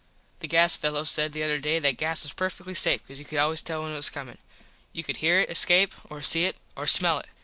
The gas fello said the other day that gas was perfectly safe cause you could always tell when it was comin. You could hear it escape or see it or smell it.